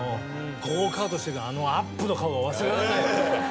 ゴーカートしてるあのアップの顔が忘れられない。